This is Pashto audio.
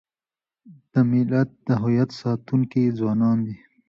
د ملت د هویت ساتونکي ځوانان دي.